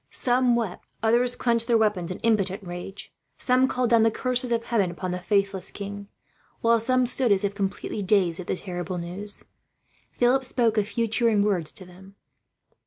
Some wept, others clenched their weapons in impotent rage. Some called down the curses of Heaven upon the faithless king, while some stood as if completely dazed at the terrible news. Philip spoke a few cheering words to them.